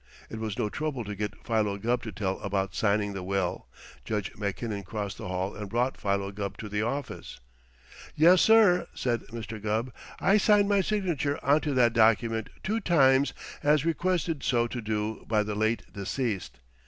It was no trouble to get Philo Gubb to tell about signing the will. Judge Mackinnon crossed the hall and brought Philo Gubb to the office. "Yes, sir," said Mr. Gubb. "I signed my signature onto that document two times as requested so to do by the late deceased.